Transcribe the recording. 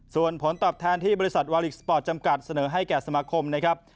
ส่วนผลตอบแทนที่บริษัทวาลิกสปอร์ตจำกัดเสนอให้แก่สมาคมนะครับ